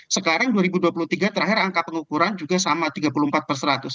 sekarang dua ribu dua puluh tiga terakhir angka pengukuran juga sama tiga puluh empat per seratus